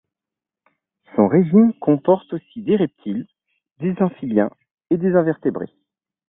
Son régime comporte aussi des reptiles, des amphibiens et des invertébrés.